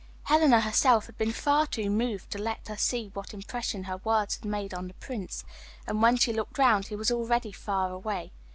Helena herself had been far too moved to let her see what impression her words had made on the Prince, and when she looked round he was already far away.